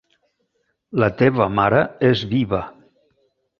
La teva mare és viva.